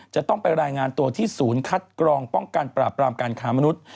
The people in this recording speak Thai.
จะต้องไปรายงานตัวที่ศูนย์คัดกรองป้องกันปราบรามการค้ามนุษย์